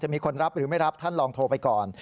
มีคนรับหรือไม่รับท่านลองโทรไปก่อน